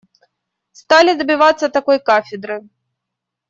Стали добиваться такой кафедры.